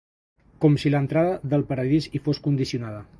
Com si l'entrada del paradís hi fos condicionada.